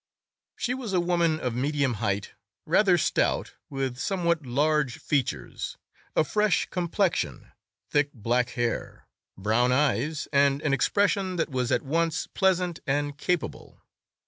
She was a woman of medium height, rather stout, with somewhat large features, a fresh complexion, thick black hair, brown eyes, and an expression that was at once pleasant and capable.